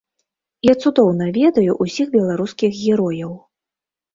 Я цудоўна ведаю ўсіх беларускіх герояў.